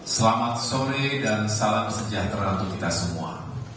selamat sore dan salam sejahtera untuk kita semua